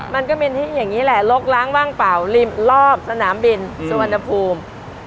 มันก็มีที่อย่างนี้แหละลกล้างว่างเปล่าริมรอบสนามบินสุวรรณภูมิ